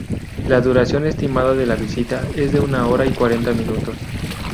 La duración estimada de la visita es de una hora y cuarenta minutos.